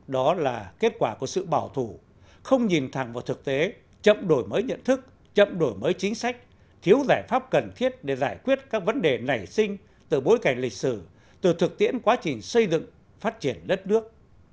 đó là kết quả của sự bảo thủ không nhìn thẳng vào thực tế chậm đổi mới nhận thức chậm đổi mới chính sách thiếu giải pháp cần thiết để giải quyết các vấn đề nảy sinh từ bối cảnh lịch sử từ thực tiễn quá trình xây dựng phát triển đất nước